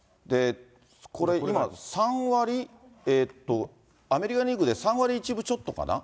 これ今、３割、えっと、アメリカンリーグで３割１分ちょっとかな。